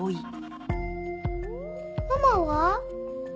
ママは？